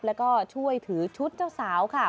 แล้วก็ช่วยถือชุดเจ้าสาวค่ะ